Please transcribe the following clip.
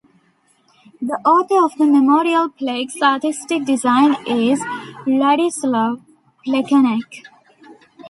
The author of the memorial plaque's artistic design is Vladislav Plekanec.